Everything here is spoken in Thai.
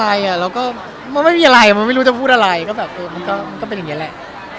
เขาถามแต่ว่ามันก็ไม่มีอะไรมันไม่มีอะไรมันไม่รู้จะพูดอะไรก็แบบมันก็เป็นอย่างนี้แหละ